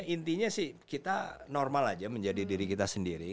intinya sih kita normal aja menjadi diri kita sendiri